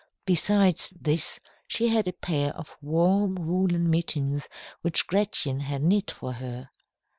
Besides this, she had a pair of warm woollen mittens which Gretchen had knit for her.